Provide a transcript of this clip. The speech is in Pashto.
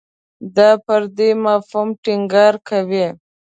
دا پر دې مفهوم ټینګار کوي.